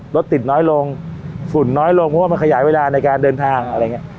รถติดน้อยลงฝุ่นน้อยลงเพราะว่ามันขยายเวลาในการเดินทางอะไรอย่างนี้